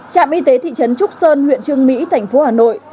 trạm y tế thị trấn trúc sơn huyện trương mỹ thành phố hà nội